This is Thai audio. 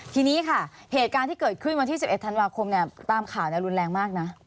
ทีนี้ค่ะเหตุการณ์ที่เกิดขึ้นวันที่๑๑ธันวาคมตามข่าวรุนแรงมากนะ